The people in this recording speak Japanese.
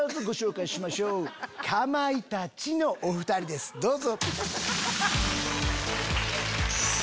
かまいたちのお２人ですどうぞ。